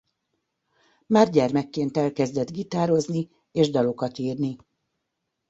Már gyermekként elkezdett gitározni és dalokat írni.